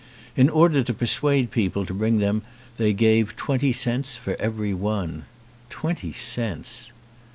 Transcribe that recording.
In order to persuade people to bring them they gave twenty cents for every one. Twenty cents!